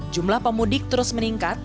jumlah pemudik terus meningkat